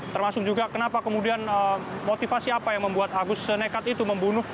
termasuk juga kenapa kemudian motivasi apa yang membuat agus senekat itu membunuh